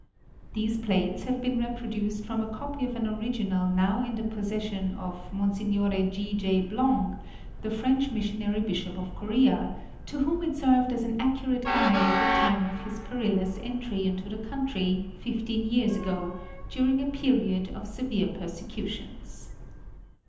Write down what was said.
These plates have been reproduced from a copy of an original now in the pos session of Mer. J. G. Blanc, the French Missionary Bishop of Korea, to whom it served as an accurate guide at the time of his Korea and the Koreans. 935 perilous entry into the country, fifteen years ago, during a period of severe persecutions.